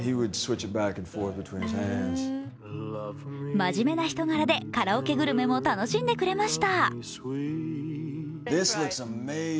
まじめな人柄でカラオケグルメも楽しんでくれました。